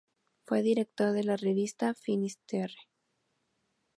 Fue director de la revista "Finisterre".